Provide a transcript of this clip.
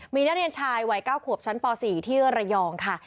มีนาฬินชายวัยเก้าขวบชั้นป๔ที่เออร์ระยองค่ะ